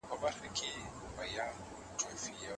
د اوبو په واسطه د انسان بدن مدام په پوره ډول تازه پاته کیږي.